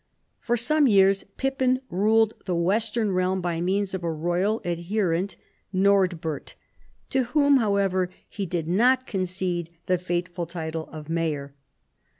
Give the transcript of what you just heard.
For some years Pippin ruled the Western realm by means of a royal adherent, Nordbert, to whom however he did not concede the fateful title of mayor.